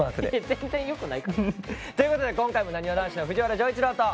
全然よくないから。ということで今回もなにわ男子の藤原丈一郎と。